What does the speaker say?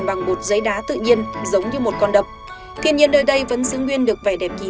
bằng bột giấy đá tự nhiên giống như một con đập tuy nhiên nơi đây vẫn xứng nguyên được vẻ đẹp kỳ